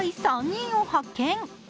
３人を発見。